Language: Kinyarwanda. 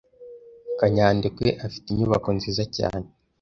kanyandekwe afite inyubako nziza cyane.